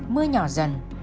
mưa nhỏ dần